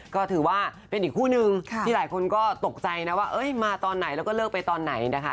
ก็ถือว่าเป็นอีกคู่นึงที่หลายคนก็ตกใจนะว่ามาตอนไหนแล้วก็เลิกไปตอนไหนนะคะ